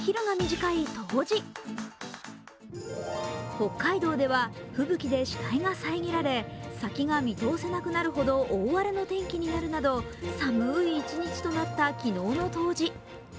北海道では吹雪で視界が遮られ、先が見通せなくなるほど大荒れの天気になるなど寒い一日となった昨日の冬至。